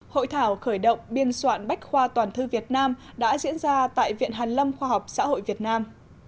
hội thảo khởi động biên soạn bách khoa toàn thư việt nam đã diễn ra tại viện hàn lâm khoa học xã hội việt nam